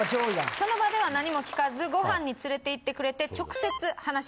その場では何も聞かずご飯に連れていってくれて。